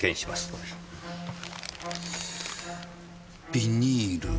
ビニール